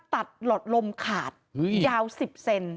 ตัดหลดลมขาดยาว๑๐เซน